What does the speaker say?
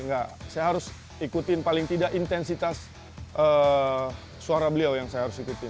enggak saya harus ikutin paling tidak intensitas suara beliau yang saya harus ikutin